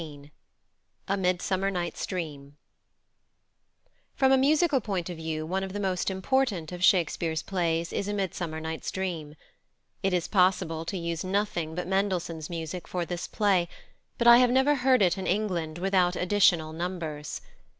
A MIDSUMMER NIGHT'S DREAM From a musical point of view one of the most important of Shakespeare's plays is A Midsummer Night's Dream. It is possible to use nothing but Mendelssohn's music for this play, but I have never heard it in England without additional numbers.